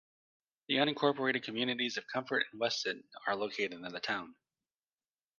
The unincorporated communities of Comfort and Weston are located in the town.